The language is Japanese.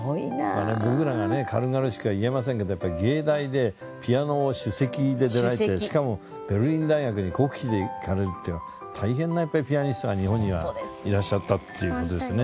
僕らがね軽々しくは言えませんけどやっぱり藝大でピアノを首席で出られてしかもベルリン大学に国費で行かれるっていうのは大変なやっぱりピアニストが日本にはいらっしゃったっていう事ですよね。